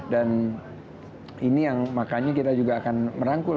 dan ini yang makanya kita juga akan merangkul